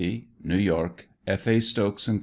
New York: F. A. Stokes & Co.